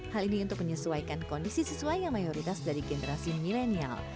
hal ini untuk menyesuaikan kondisi siswa yang mayoritas dari generasi milenial